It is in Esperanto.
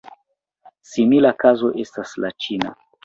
Simila kazo estas la ĉina.